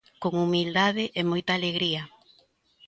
Con humildade e moita alegría.